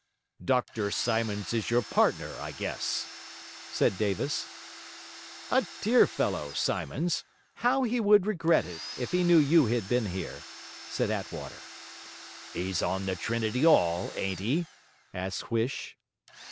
'Dr Symonds is your partner, I guess?' said Davis. 'A dear fellow, Symonds! How he would regret it, if he knew you had been here!' said Attwater. ''E's on the Trinity 'All, ain't he?' asked Huish.